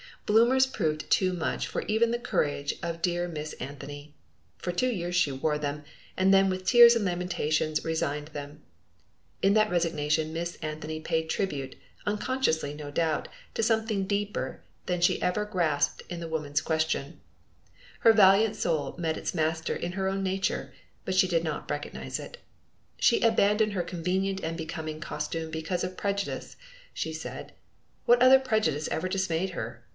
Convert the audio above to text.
Bloomers proved too much for even the courage of dear Miss Anthony. For two years she wore them, and then with tears and lamentations resigned them. In that resignation Miss Anthony paid tribute, unconsciously no doubt, to something deeper than she ever grasped in the woman question. Her valiant soul met its master in her own nature, but she did not recognize it. She abandoned her convenient and becoming costume because of prejudice, she said. What other prejudice ever dismayed her!